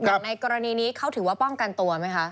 อย่างในกรณีนี้เขาถือว่าป้องกันตัวไหมคะ